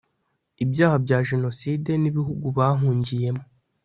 ibyaha bya jenoside n'ibihugu bahungiyemo